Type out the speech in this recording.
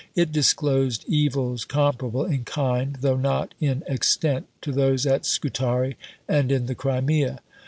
It disclosed evils comparable in kind, though not in extent, to those at Scutari and in the Crimea.